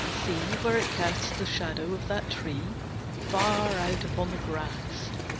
See where it casts the shadow of that tree Far out upon the grass.